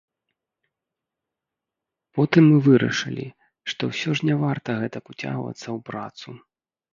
Потым мы вырашылі, што ўсё ж не варта гэтак уцягвацца ў працу.